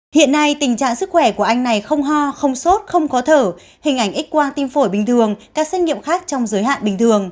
hiện nay tình trạng sức khỏe của anh này không ho không sốt không khó thở hình ảnh x quang tim phổi bình thường các xét nghiệm khác trong giới hạn bình thường